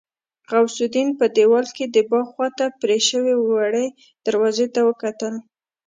غوث الدين په دېوال کې د باغ خواته پرې شوې وړې دروازې ته وکتل.